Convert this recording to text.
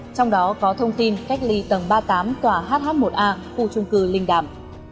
trong đó có thông tin cách ly tầng ba mươi tám tòa hh một a khu trung cư linh đàm